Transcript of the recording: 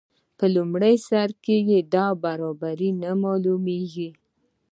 په لومړي سر کې دا برابري نه معلومیږي.